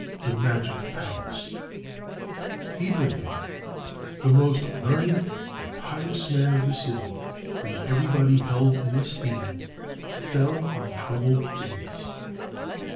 ] The Magic Palace Ibrahim, the most learned and pious man of the city, whom everybody held in esteem, fell on troubled days.